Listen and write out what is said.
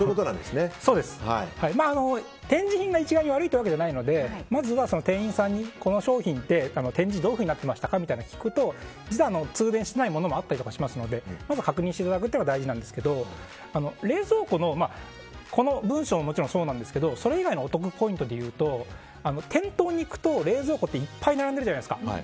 展示品が一概に悪いというわけじゃないのでまずは店員さんにこの商品って展示どういうふうになってましたかと聞くと実は通電してないものもあったりしますので確認していただくことが大事なんですけど冷蔵庫の、この文章ももちろんそうなんですけどそれ以外のお得ポイントでいうと店頭に行くと冷蔵庫っていっぱい並んでるじゃないですか。